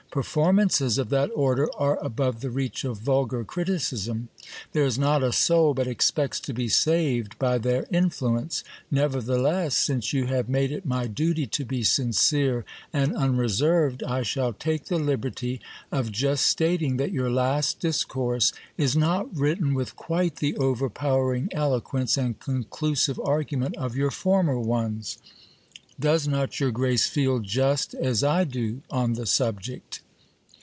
Performances of that order are above the reach of vulgar criticism :. there is not a soul but expects to be saved by their influence. Never theless, since you have made it my duty to be sincere and unreserved, I shall take the liberty of just stating that your last discourse is not written with quite the overpowering eloquence and conclusive argument of your former ones. Does not your grace feel just as I do on the subject